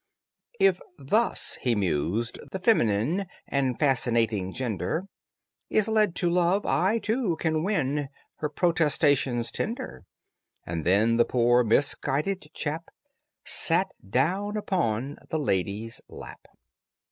"If thus," he mused, "the feminine And fascinating gender Is led to love, I, too, can win Her protestations tender." And then the poor, misguided chap Sat down upon the lady's lap.